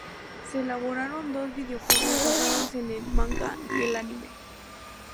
Se elaboraron dos videojuegos basados en el manga y el anime.